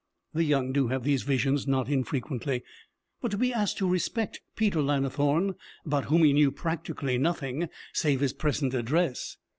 The young do have these visions not infrequently. But to be asked to respect Peter Lannithorne, about whom he knew practically nothing save his present address!